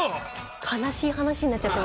悲しい話になっちゃってます